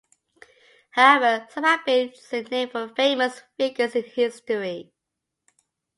However, some have been seen named for famous figures in history.